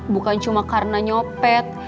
bukan cuma karena nyopet